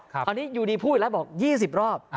คราวนี้อยู่ดีพูดอีกแล้วบอก๒๐รอบ